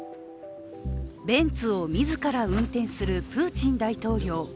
ベンツを自ら運転するプーチン大統領。